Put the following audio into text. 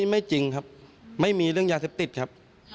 ไม่จริงครับไม่มีเรื่องยาเสพติดครับ